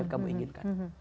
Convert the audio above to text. dan kamu inginkan